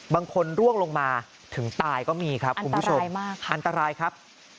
บางคนร่วงลงมาถึงตายก็มีครับคุณผู้ชมอันตรายมากอันตรายครับ